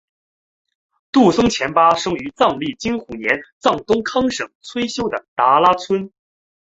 杜松虔巴生于藏历金虎年藏东康省崔休的拉达村。